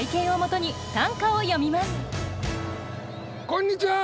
こんにちは！